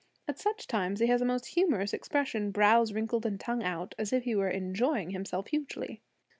At such times he has a most humorous expression, brows wrinkled and tongue out, as if he were enjoying himself hugely.